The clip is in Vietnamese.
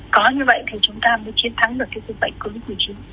có như vậy thì chúng ta mới chiến thắng được cái bệnh covid một mươi chín